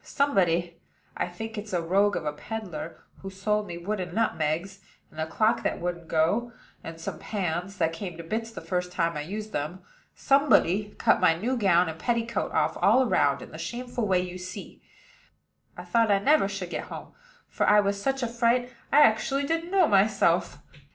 Somebody I think it's a rogue of a peddler who sold me wooden nutmegs, and a clock that wouldn't go, and some pans that came to bits the first time I used them somebody cut my new gown and petticoat off all round, in the shameful way you see. I thought I never should get home; for I was such a fright, I actually didn't know myself.